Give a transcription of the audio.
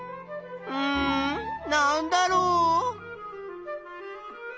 うんなんだろう？